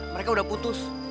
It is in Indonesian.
mereka udah putus